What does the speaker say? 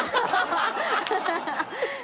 ハハハハハ！